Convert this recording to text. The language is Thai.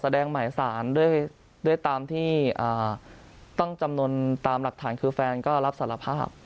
หมายสารด้วยตามที่ต้องจำนวนตามหลักฐานคือแฟนก็รับสารภาพ